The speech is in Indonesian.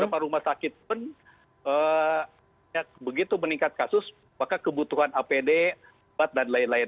beberapa rumah sakit pun begitu meningkat kasus maka kebutuhan apd dan lain lain